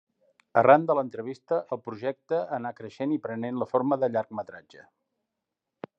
Arran de l'entrevista, el projecte anà creixent i prenent la forma de llargmetratge.